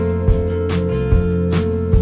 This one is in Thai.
ไม่รู้ทันหรือเปล่า